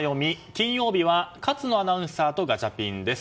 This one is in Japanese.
金曜日は、勝野アナウンサーとガチャピンです。